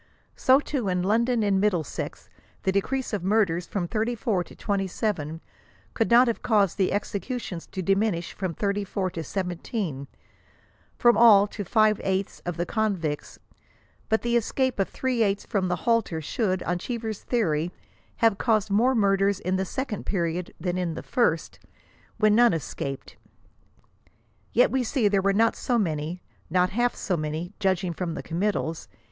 So, too, in London and Middlesex the decrease of murders from 34 to 27 could not have caused the executions to diminish from 34 to 17, — from all to five eighths of the convicts ; but the escape of three eighths from the halter should, on Cheever^s theory, have caused more murders in the second period than in the first, when none escaped. Yet we see there were not so many ;— not half so many, judging from the committals.